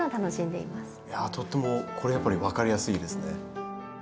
いやとてもこれやっぱり分かりやすいですね。